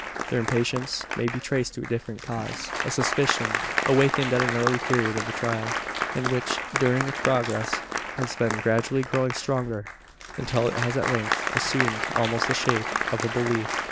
Their impatience may be traced to a different cause a suspicion, awakened at an early period of the trial, and which, during its progress, has been gradually growing stronger; until it has at length assumed almost the shape of a belief.